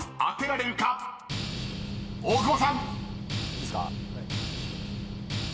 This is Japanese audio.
いいっすか？